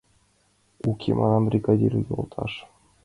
Уке, манам, бригадир йолташ!